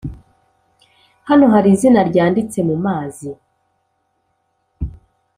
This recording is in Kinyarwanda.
hano hari izina ryanditse mumazi